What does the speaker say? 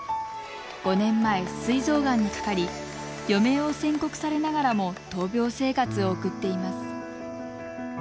５年前、すい臓がんにかかり余命を宣告されながらも闘病生活を送っています。